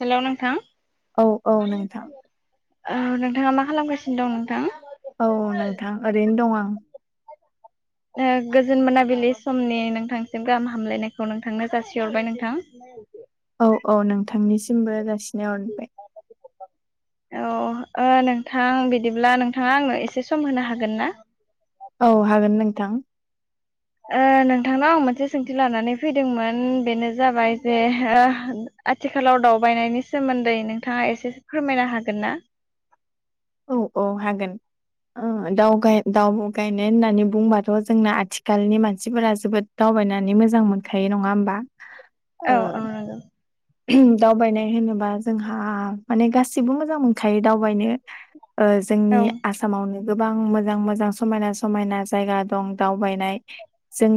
हेल' नोंथां औ औ नोंथां औ नोंथाङा मा खालामगासिनो दं नोंथां? औ नोंथां ओरैनो दं आं गोजोन मोनाबिलि समनि नोंथांसिम गाहाम हामलायनायखौ नोंथांनो जासिहरबाय नोंथां। औ औ नोंथांनिसिमबो जासिनाय हरबाय। [inaudible] औ नोंथां बिदिब्ला नोंथाङा आंनो एसे सम होनो हागोन ना औ हागोन नोंथां। नोंथांनाव आं मोनसे सोंथि लानानै फैदोंमोन बेनो जाबाय जे आथिखालाव दावबायनायनि सोमोन्दै नोंथाङा एसेसो फोरमायनो हागोन ना औ औ हागोन दाउ गायनाय होननानै बुंबाथ' जोंना आथिखालनि मानसिफोरा जोबोद दा बायनानै मोजां मोनखायो नङा होमबा औ ओ औ दावबायनाय होनोबा जोंहा माने गासिबो मोजां मोनो खायो दावबायनो जोंनि आसामावनो गोबां मोजां मोजां समायना समायना जायगा दं दावबायनाय जों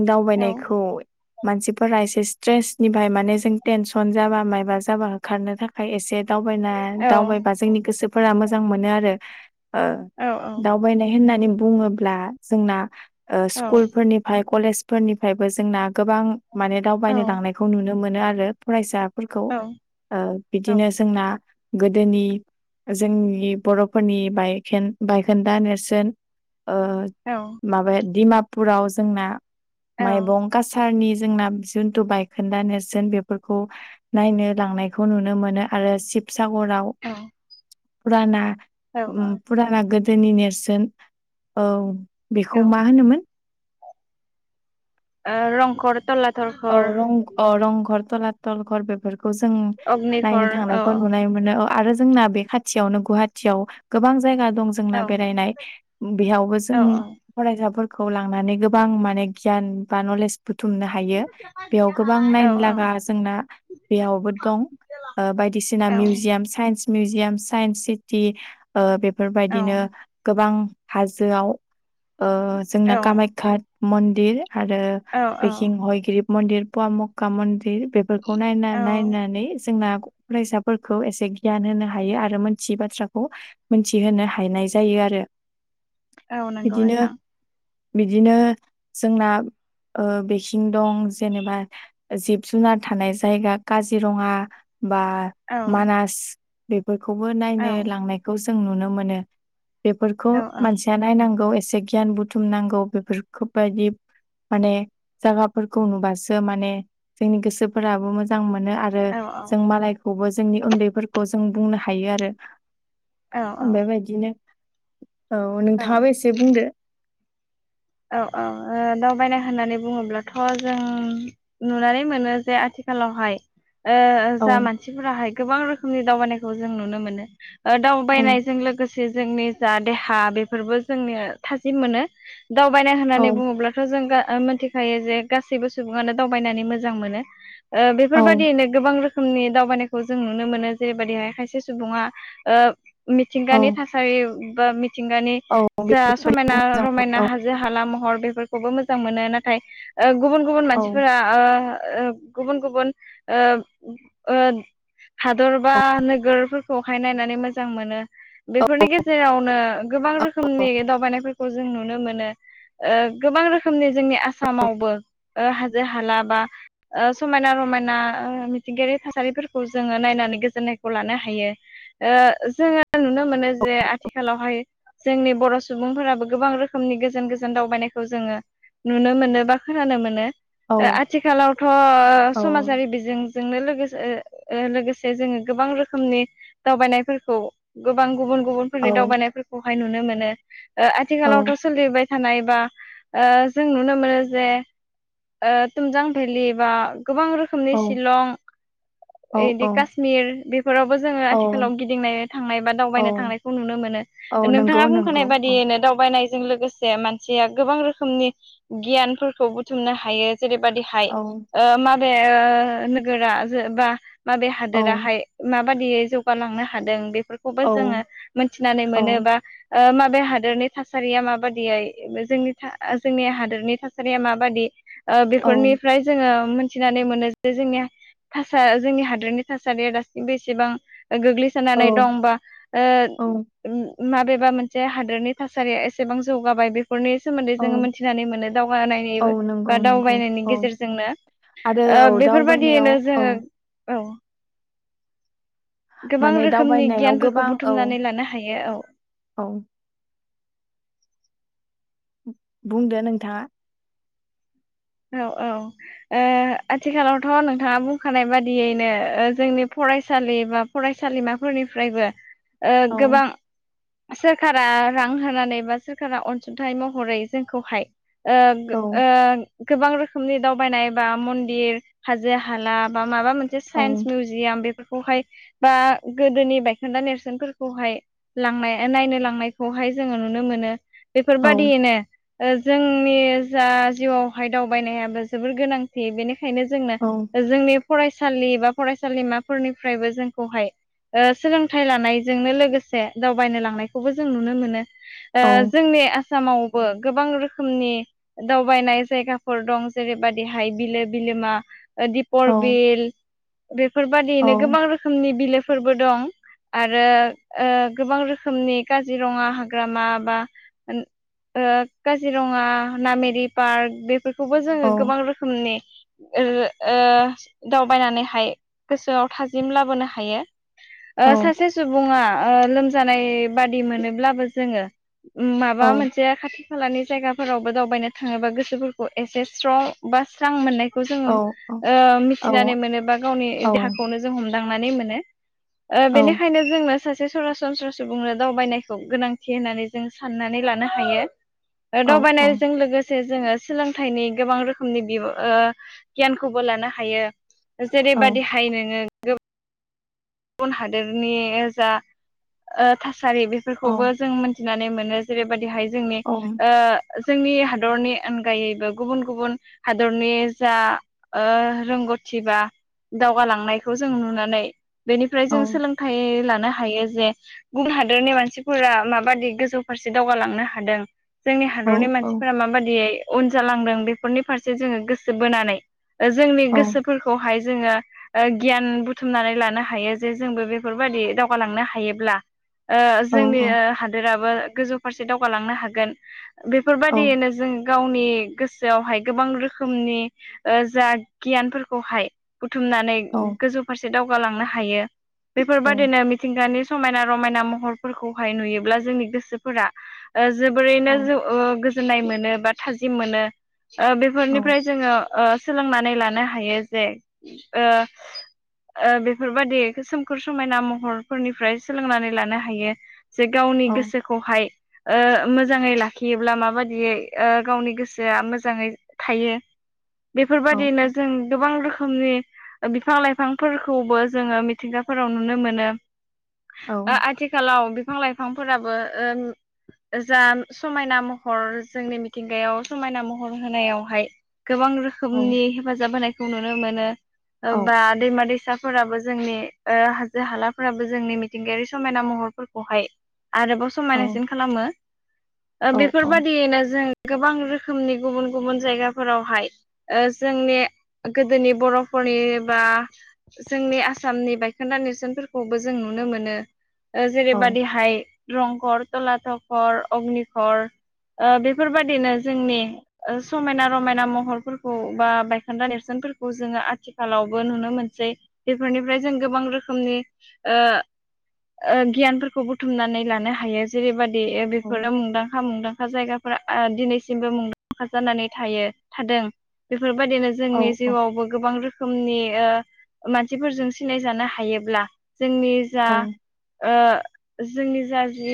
औ दावबायनायखौ मानसिफोरा एसे स्ट्रेसनिफ्राय माने जों टेनसन जाबा मायबा जाबा होखारनो थाखाय एसे दाव दावबायबा जोंनि गोसोफोरा मोजां मोजां मोनो आरो औ दावबायनाय होननानै बुङोब्ला जोंना औ स्कुलफोरनिफ्राय कलेजफोरनिफ्रायबो जोंना गोबां माने औ दावबायनो लांनायखौ नुनो मोनो आरो फरायसा फोरखौ औ बिदिनो जोंना गोदोनि जोंनि बर'फोर बायखोन्दा नेरसोन ओ औ माबा दिडिमापुराव जोंना माइबं कासारनि जोंना जिुनथु बायखोन्दा नेरसोन बेफोरखौ नायनो लांनायखौ नुनो मोनो आरो शिबसागराव फुराना औ फुराना गोदोनि नेरसोन औ बेखौ औ मा होनोमोन ओ रंगर थला औ रंगर तला घर बेफोर जों अग्निघर नायनो औ थांनायखौ नुनाय मोनो आरो जोंना बे खाथियावनो गुवाहाटियाव गोबां जायगा दं औ जोंना बेरायनाय बेयावबो औ जों फरायसा खौ लांनानै गोबां माने गियान बा नलेज बुथुमनो हायो । बेयाव गोबां औ नायनो लागा जोंना बेयावबो दं बायदिसिना औ मिउजियाम सा साइन्स मिउजियाम साइन्स सिटि औ बेफोरबायदिनो गोबां हाजोआव जोंना कामाखाया मन्दिर आरो औ पेकिंहय गिरिब मन्दिर पव मक्का मन्दिर बेफोरखौ नायना औ नायनानै जोंना फरायसाफोरखौ एसे गियान होनो हायो आरो मोनथियै बाथ्राखौ मोनथिहोनो हायानाय जायो । आरो औ नंगौ बिदिनो नोंथां बिदिनो जोंना ओ बेखिं दं जेनेबा जिब जुनार थानाय जायगा काजिरङा बा औ मानास बेफोरखौबो औ नायनो लांनायखौ जों नुनो मोनो बेफोरखौ औ औ मानसिया नायनांगौ एसे गियान बुथुम नांगौ बेफोरखौ बायदि माने जागाफोरखौ नुबासो माने जोंनि गोसोफोराबो मोजां मोनो आरो औ जों मालायखौ खौबो जोंनि उन्दैफोरखौ जों बुंनो हायो आरो औ औ बेबायदिनो औ औ नोंथांङाबो एसे बुंदो औ - औ दावबायना होननानै बुङोब्लाथ' जों नुनानै मोनो जे आथिखाल आथिखालावहाय औ जा मानसिफोराहाय गोबां रोखोमनि दावबायनायखौ जों नुनो मोनो औ दावबायनायजों लोगोसे जोंनि जा देहा बेफोरबो जोंनो थाजिम मोनो दावबायनाय होननानै औ बुंङोब्लाथ' जों गा मिथिखायो जे गासैबो सुबुंङानो दावबायनानै मोजां मोनो बेफोरबायदियैनो गोबां रोखोम नि दावबायनायखौ जों नुनो मोनो जेरैबायदिहाय खायसे सुबुंङा औ मिथिंगानि थासारि बा मिथिंगानि औ जा बेफोरबायदिखौ समायना मोजां रमायना मोनो हा जो हाला महर बेफोरखौबो मोजां मोनो नाथाय गुबुन गुबुन औ मानसिफोरा गुबुन गुबुन हादर बा औ नोगोरफोरखौहाय नायनानै मोजां मोनो बेफोरनि गेजेरावनो गोबां रोखोमनि दावबायनायफोरखौ जों नुनो मोनो गोबां रोखोमनि जोंनि आसामावबो हाजो हाला बा सम समायना - रमायना मिथिंगायारि थासारिफोरखौ जोंङो नायनानै गोजोननायखौ लानो हायो । जोंङो नुनो मोनो जे आथिखालावहाय जोंनि बर' सुबुंफोराबो गोबां रोखोमनि गोस गोजान गोजान दावबायनायखौ जोंङो नुनो मोनो बा खोनानो मोनो औ आथिखालावथ' औ समाजारि बिजों जोंनो लोगोसे लोगोसे जोङो गोबां रोखोमनि दावबायनायफोरखौ गोबां गुबुन औ गुबुनफोरनि दावबायनायफोरखौहाय नुनो मोनो आथिखालावथ' सोलिबाय थानाय बा जों नुनो मोनो जे थुमजां भेलि बा गोबां रोखोमनि औ शिलं औ यिदि काश्मीर बेफोरावबो जोङो औ आथिखालाव गिदिंनो थांनाय बा दावबायनो औ थांनायखौ नुनो मो नो औ नंगौ नोंथाङा बुंखानाय नंगौ औ बायदियैनो दावबायनाय जों लोगोसे मानसिया गोबां रोखोमनि गियानफोरखौ बुथुमनो हायो जेरैबायदिहाय औ माबे नोगोरा जो बा माबे औ हादोराहाय माबादियै जौगालांनो हादों बे फोरखौबो औ जोङो मिथिनानै औ मोनो बा माबे हादोरनि थासारिया माबा जोंनि हादोरनि थासारिया माबादि औ बेफोरनिफ्राय जोङो मिथिनानै मोनो जे जोंनि थास जोंनि हादोरनि थासारिया दासिमबो एसेबां गोग्लैसोनानै औ दंबा औ ओ माबेबा मोनसे हादोरनि थासारिया एसेबां जौगाबाय बे फोरनि सोमोन्दै औ जोङो मिथिनानै मोनो दावगानायनि औ नंगौ बा नंगौ दावबायनायनि औ गेजेरजोंनो आरो ओ‌ औ दावबायनायाव बेफोरबादियैनो औ जोङो औ गोबां माने रोखोमनि दावबायनायाव गियानफोरखौ गोबां औ बुथुमनानै लानो हायो औ औ बुंदो नोंथाङा औ-औ आथिखालावथ' नोंथाङा बुंखानाय बादियैनो जोंनि फरायसालि बा फरायसालिमाफोरनिफ्रायबो ओ औ गोबां सोरखारा रां होनानै बा सोरखारा अनसुंथाइ महरै जोंखौहाय ओ गो औ ओ गोबां रोखोमनि दावबायनाय बा मन्दिर हाजो हाला बा माबा मोनसे औ साइन्स मिउजियाम बेफोर खौहाय बा गोदोनि बायखोन्दा नेरसोनफोरखौहाय लांनाय नायनो लांनायखौहाय जोङो नुनो मोनो औ बेफोरबादियैनो जोंनि जा जिउआव हाय दावबायनायाबो जोबोर गोनांथि बेनिखायनो जोंनो औ जोंनि फरायसालि बा फरायसालिमाफोरनिफ्रायबो जोंखौहाय सोलोंथाइ लानायजोंनो लोगोसे दावबायनो लांनायखौबो जों नुनो मोनो ओ औ जोंनि आसामावबो गोबां रोखोमनि दावबायनाय जायगाफोर दं जेरैबादिहाय बिलो बिलोमा दिपर औ बिल बेफोरबायदियैनो औ गोबां रोखोमनि बिलोफोरबो दं आरो गोबां रोखोमनि काजिरङा हाग्रामा बा काजिरङा नामेरि पार्क बेफोरखौबो जोङो गोबां रोखोमनि ओ दावबायनानैहाय गोसोआव थाजिम लाबोनो हायो औ सासे सुबुङा लोमजानाय बादि मोनोब्लाबो जोङो माबा मोनसे खाथि खालानि जायगाफोरावबो दावबायनो थाङोबा गोसोफोरखौ एसे स्र बा स्रां मोननाय खौ जोङो औ औ मिथिनानै मोनो बा गावनि औ देहाखौनो जों हमदांनानै मोनो ओ बेनिखायनो जोंनो सासे सरासनस्रा सुबुंनो दावबायनायखौ गोनांथि होननानै जों साननानै लानो हायो औ दावबायनायजों लोगोसे जोङो सोलोंथाइनि गोबां रोखोमनि गियानखौबो लानो हायो जेरैबायदिहाय नोङो गोबां गुबुन हादोरनि जा थासारि बेफोरखौबो औ जों मोनथि नानै मोनो जेरैबादिहाय जोंनि ओ जोंनि हादरनि अनगायैबो गुबुन गुबुन हादरनि जा ओ रों गौथि बा दावगालांनायखौ जों नुनानै बेनिफ्राय जों सोलोंथाइ ला नो हायो जे गुबुन हादरनि मानसिफोरा माबादि गोजौ फारसे दावगालांनो हादों जोंनि हादरनि मानसिफोरा माबादियै उन जालांदों बेफोरनि फारसे जोङो गोसो बोनानै जोंनि गोसोफोरखौहाय जोङो गियान बुथुमनानै लानो हा हायो जे जोंबो बेफोरबायदि दावगालांनो हायोब्ला ओ जोंनि हादोराव गोजौ फारसे दावगालांनो हागोन बेफोरबायदियैनो जों गावनि गोसोआवहाय गोबां रोखोमनि जा गियानफोरखौहाय बुथुमनानै गोजौ फारसे दावगालांनो हायो बेफोरबादिनो मिथिंगानि समायना रमायना महरफोरखौहाय नुयोब्ला जोंनि गोसोफोरा जोबोरैनो ज गोजोननाय मोनो बा थाजिम मोनो ओ बेफोरनिफ्राय जोङो ओ सोलोंनानै लानो हायो जे ओ ओ बेफोरबायदि सोमखोर समायना महरफोरनिफ्राय सोलोंनानै लानो हायो जे गावनि गोसोखौहाय ओ मोजाङै लाखियोब्ला माबायदियै गावनि गोसोआ मोजाङै थायो। बेफोरबायदिनो जों गोबां रोखोमनि बिफां लाइफांफोरखौबो जोङो मिथिंगाफोराव नुनो मोनो ओ आथिखालाव बिफां लाइफांफोराबो ओ जा समायना महर जोंनि मिथिंगायाव समायना महर होनायावहाय गोबां औ रोखोमनि हेफाजाब होनायखौ नुनो मोनो औ बा दैमा दैसाफोराबो जोंनि ओ हाजो हालाफोराबो जोंनि मिथिंगायारि समायना महरफोरखौहाय आरोबाव समायनासिन खालामो ओ बेफोरबादियैनो जों गोबां रोखोमनि गुबुन गुबुन जायगाफोरावहाय ओ जोंनि गोदोनि बर'फोर जोंनि बा जोंनि आसाम आसामनि बायखोन्दा नेरसोनफोरखौबो जों नुनो मोनो जेरैबादिहाय रंघर, तलाथघर, अग्निघर ओ बेफोरबायदिनो जोंनि समायना रमायना महरफोरखौ बा बायखोदा नेरसोन फोरखौ आथिखालावबो नुनो मोनसै बेफोरनिफ्राय जों गोबां रोखोमनि ओ ओ गियानफोरखौ बुथुमनानै लानो हायो जेरैबायदि बेफोरो मुंदांखा मुंदांखा जायगा दिनैसिमबो मुंदांखा जानानै थायो थादों बेफोरबायदिनो जोंनि जिउआवबो गोबां रोखोमनि मान सिफोरजों सिनायजानो हायोब्ला जोंनि जा ओ जोंनि जा जि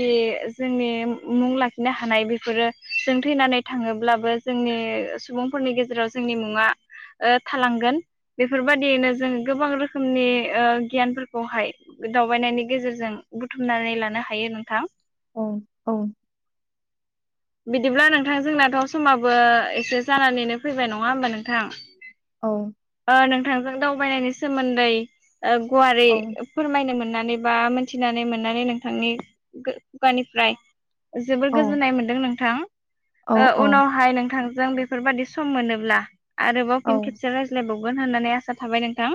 जोंनि मुं लाखिनो हानाय बेफोरो जों थैनानै थाङो ब्लाबो जोंनि सुबुंफोरनि गेजेराव जोंनि मुङा ओ थालांगोन बेफोरबायदियैनो जोङो गोबां रोखो खोमनि ओ गियानफोरखौहाय दावबायनायनि गेजेरजों बुथुमनानै लानो हायो नोंथां। औ औ बिदिब्ला नोंथां जोंनाथ' समाबो एसे जानानैनो फैबाय नङा होमबा नोंथां नोंथांजों दावबायनायनि सोमोन्दै ओ गुवारै फोरमायनो मोननानै बा मिथिनानै मोननानै नोंथांनि खुगानिफ्राय जोबोर गोजोननाय मोनदों नों थां ओ उनावहाय नोंथांजों बेफोरबायदि सम मोनोब्ला आरोबाव फिन खेबसे रायज्लायबावगोन होननानै आसा थाबाय नोंथां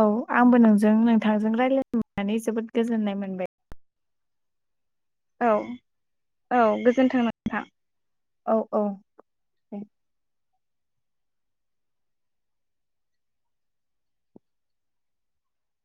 औ आंबो नोंजों नोंथांजों रायलायनो मोन्नानै जोबोद गोजोननाय मोनबाय औ औ गोजोनथों नोंथां औ औ